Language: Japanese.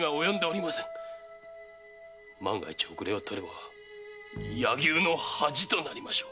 万が一後れを取れば柳生の恥となりましょう！